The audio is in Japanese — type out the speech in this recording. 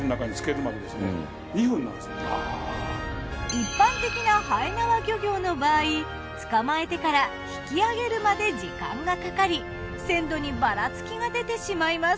一般的な延縄漁業の場合捕まえてから引き上げるまで時間がかかり鮮度にバラつきが出てしまいます。